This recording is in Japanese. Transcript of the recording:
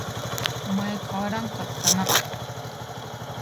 お前変わらんかったな